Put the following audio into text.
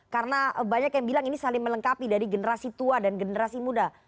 karena banyak yang bilang ini saling melengkapi dari generasi tua dan generasi muda